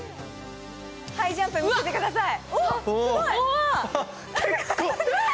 ハイジャンプを見せてください。